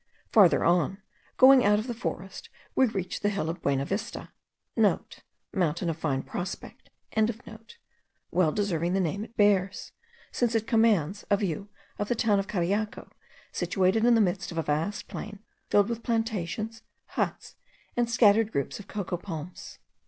Farther on, going out of the forest, we reached the hill of Buenavista,* (* Mountain of the Fine Prospect.) well deserving the name it bears; since it commands a view of the town of Cariaco, situated in the midst of a vast plain filled with plantations, huts, and scattered groups of cocoa palms.